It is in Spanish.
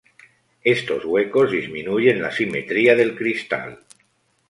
Estos huecos disminuyen la simetría del cristal.